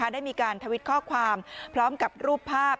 ได้มีการทวิตข้อความพร้อมกับรูปภาพ